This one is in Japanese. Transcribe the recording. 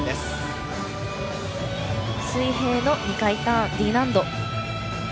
水平の２回ターン、Ｄ難度。